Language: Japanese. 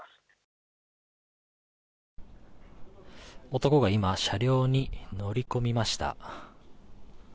男が今車両に乗り込みました。